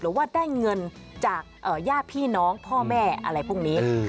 หรือว่าได้เงินจากญาติพี่น้องพ่อแม่อะไรพวกนี้